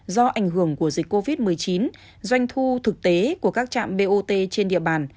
do ảnh hưởng của dịch covid một mươi chín doanh thu thực tế của các trạm bot trên địa bàn